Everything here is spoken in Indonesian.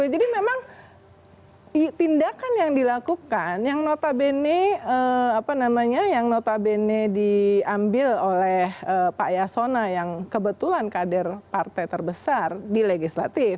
nah jadi memang tindakan yang dilakukan yang notabene diambil oleh pak yasona yang kebetulan kader partai terbesar di legislatif